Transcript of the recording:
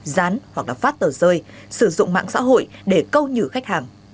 dán hoặc là phát tờ rơi sử dụng mạng xã hội để câu nhử khách hàng